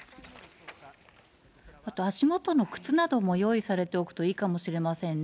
あと足元の靴なども用意されておくといいかもしれませんね。